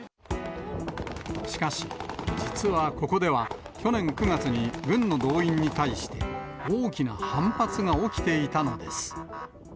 しかし、実はここでは、去年９月に軍の動員に対して、大きな反発が起きていたのです。